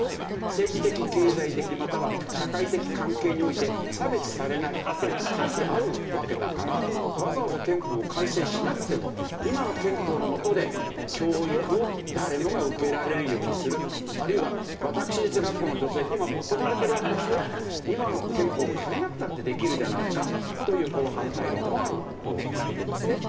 政治的、経済的または社会的関係において差別されないって書いてあるわけだからわざわざ憲法を改正しなくても今の憲法の下で教育を誰もが受けられるようにするあるいは私立学校の助成は今も行われてるわけですから今の憲法を変えなくたってできるじゃないかという反対論もあるということですね。